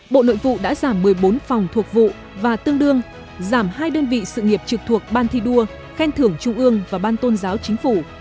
bộ nội vụ đã giảm một mươi bốn phòng thuộc vụ và tương đương giảm hai đơn vị sự nghiệp trực thuộc ban thi đua khen thưởng trung ương và ban tôn giáo chính phủ